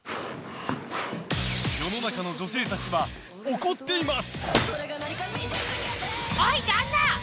世の中の女性たちは怒っています。